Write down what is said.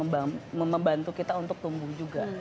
membantu kita untuk tumbuh juga